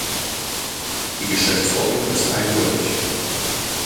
Die Geschäftsordnung ist eindeutig.